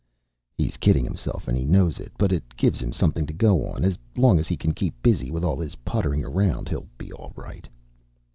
"He's kidding himself and he knows it, but it gives him something to go on. As long as he can keep busy with all his puttering around, he'll be all right."